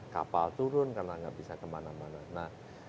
kapal turun karena nggak bisa kemana mana